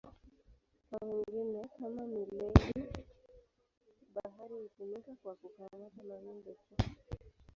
Kwa wengine, kama mileli-bahari, hutumika kwa kukamata mawindo tu.